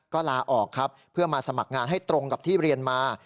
ก็ลาออกครับเพื่อมาสมัครงานให้ตรงกับที่เรียนมา